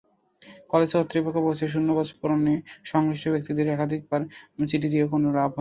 College কর্তৃপক্ষ বলছে, শূন্যপদ পূরণে সংশ্লিষ্ট ব্যক্তিদের একাধিকবার চিঠি দিয়েও কোনো লাভ হয়নি।